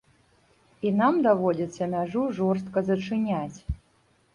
І нам даводзіцца мяжу жорстка зачыняць.